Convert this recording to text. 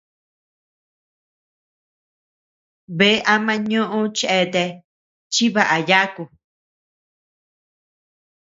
Bea ama ñoʼö cheatea chibaʼa yaku.